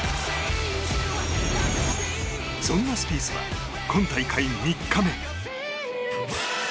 そんなスピースは今大会３日目。